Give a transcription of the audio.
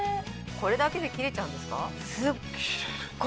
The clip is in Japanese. これだけで切れちゃうんですか？